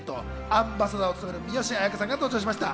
アンバサダーを務める三吉彩花さんが登場しました。